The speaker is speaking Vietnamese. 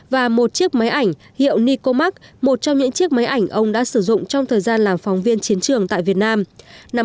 và một chiếc máy ảnh hiệu nikomac một trong những chiếc máy ảnh ông đã sử dụng trong thời gian làm phóng viên chiến trường tại việt nam